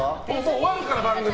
終わるから番組。